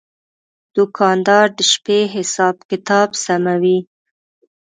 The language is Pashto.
دوکاندار د شپې حساب کتاب سموي.